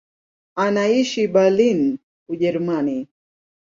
Anaishi Berlin, Ujerumani.